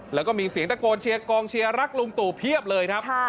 แล้วก็มีเสียงตะโกนเชียร์กองเชียร์รักลุงตู่เพียบเลยครับ